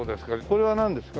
これはなんですか？